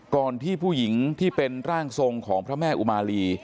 ที่ผู้หญิงที่เป็นร่างทรงของพระแม่อุมาลี